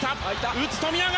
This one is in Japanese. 打つ、富永！